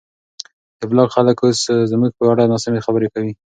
د بلاک خلک اوس زموږ په اړه ناسمې خبرې کوي.